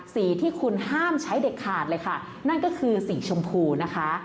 สีที่คุณห้ามใช้เด็ดขาดเลยค่ะนั่นก็คือสีชมพูนะคะ